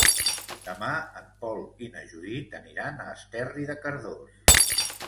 Demà en Pol i na Judit aniran a Esterri de Cardós.